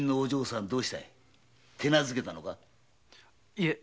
いえ。